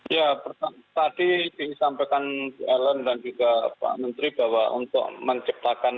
ya tadi disampaikan ellen dan juga pak menteri bahwa untuk menciptakan